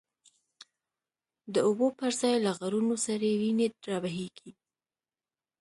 د اوبو پر ځای له غرونو، سری وینی را بهیږی